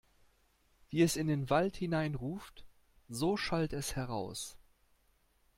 Wie es in den Wald hineinruft, so schallt es heraus.